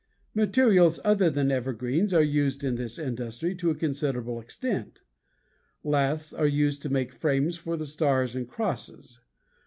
Materials other than evergreens are used in this industry to a considerable extent; laths are used to make frames for the stars and crosses.